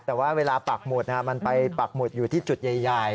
แต่ว่าเวลาปักหมุดมันไปปักหมุดอยู่ที่จุดใหญ่